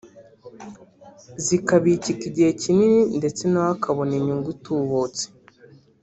zikabikika igihe kinini ndetse na we akabona inyungu itubutse